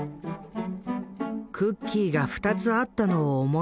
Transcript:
「クッキーが２つあったのを思い出すよ